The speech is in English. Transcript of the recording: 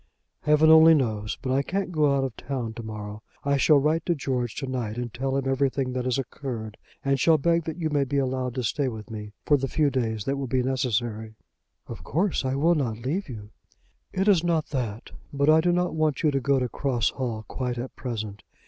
"Heaven only knows. But I can't go out of town to morrow. I shall write to George to night and tell him everything that has occurred, and shall beg that you may be allowed to stay with me for the few days that will be necessary." "Of course I will not leave you." "It is not that. But I do not want you to go to Cross Hall quite at present.